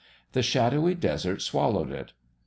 The shadowy desert swallowed it.